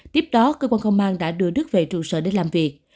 tiếp đó cơ quan công an đã đưa đức về trụ sở để làm việc